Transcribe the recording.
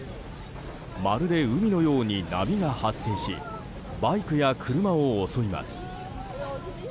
まるで海のように波が発生しバイクや車を襲います。